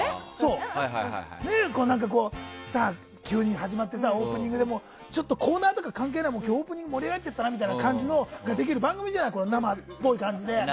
何かこう、急に始まってさオープニングでコーナーとか関係なくオープニング盛り上がちゃったなっていうのができる番組じゃない、生っぽい感じで。